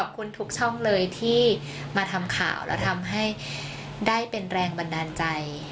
ขอบคุณทุกช่องเลยที่มาทำข่าวแล้วทำให้ได้เป็นแรงบันดาลใจ